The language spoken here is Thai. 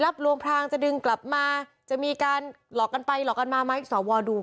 ลวงพรางจะดึงกลับมาจะมีการหลอกกันไปหลอกกันมามาให้สวดู